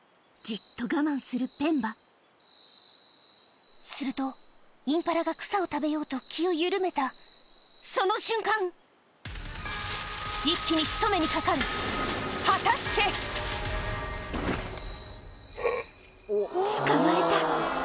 じっと我慢するペンバするとインパラが草を食べようと気を緩めたその瞬間一気に仕留めにかかる捕まえた！